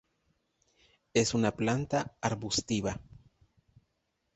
Es una planta arbustiva.